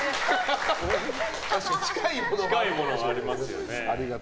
確かに近いものはありますよね。